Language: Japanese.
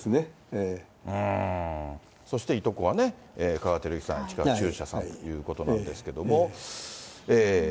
そしていとこはね、香川照之さん、市川中車さんということなんですけれども。